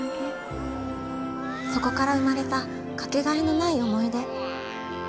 そこから生まれた掛けがえのない思い出。